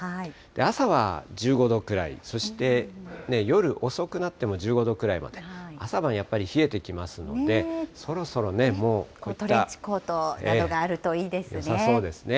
朝は１５度くらい、そして夜、遅くなっても１５度くらいまで、朝晩やっぱり、トレンチコートなどがあるとよさそうですね。